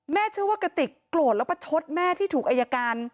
เชื่อว่ากระติกโกรธแล้วประชดแม่ที่ถูกอายการ